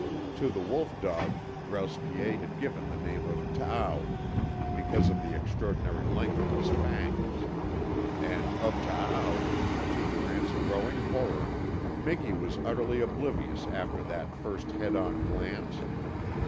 To the wolf dog Grouse Piet had given the name of Taao, because of the extraordinary length of his fangs; and of Taao, to Durant's growing horror, Miki was utterly oblivious after that first head on glance.